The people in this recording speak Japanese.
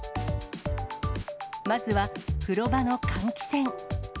まずは、風呂場の換気扇。